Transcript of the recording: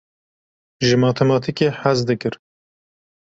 Ji matematîkê hez dikir.